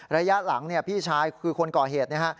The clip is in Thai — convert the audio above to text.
ระยะหลังพี่ชายคือคนก่อเหตุนะฮะ